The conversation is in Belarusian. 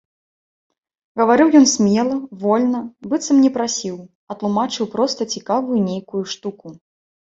Гаварыў ён смела, вольна, быццам не прасіў, а тлумачыў проста цікавую нейкую штуку.